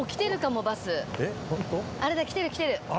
あれだ！来てる来てる！